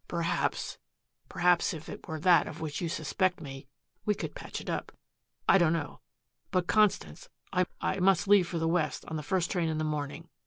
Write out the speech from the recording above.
"Perhaps perhaps if it were that of which you suspect me, we could patch it up. I don't know. But, Constance, I I must leave for the west on the first train in the morning."